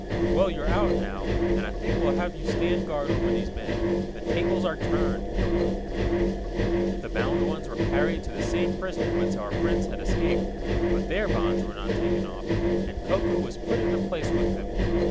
"Well, you're out, now, and I think we'll have you stand guard over these men. The tables are turned, Koku." The bound ones were carried to the same prison whence our friends had escaped, but their bonds were not taken off, and Koku was put in the place with them.